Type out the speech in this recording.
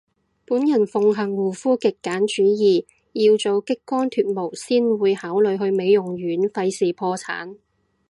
本人奉行護膚極簡主義，要做激光脫毛先會考慮去美容院，廢事破產